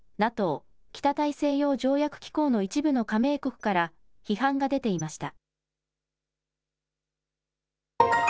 ＮＡＴＯ・北大西洋条約機構の一部の加盟国から批判が出ていました。